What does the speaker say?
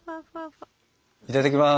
いただきます。